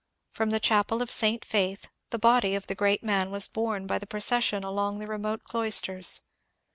From the chapel of St. Faith the body of the great man was borne by the procession along the remote clois ters.